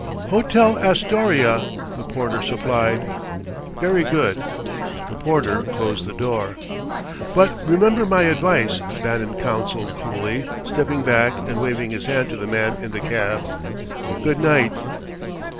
"Hotel Astoria," the porter supplied. "Very good." The porter closed the door. "But remember my advice," Bannon counselled coolly, stepping back and waving his hand to the man in the cab. "Good night."